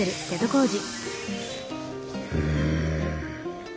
うん。